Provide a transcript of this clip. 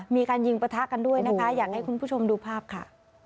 มีการยิงประทะกันด้วยนะคะอยากให้คุณผู้ชมดูภาพค่ะ